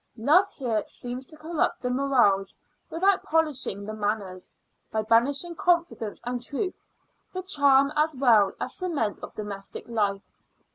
Love here seems to corrupt the morals without polishing the manners, by banishing confidence and truth, the charm as well as cement of domestic life.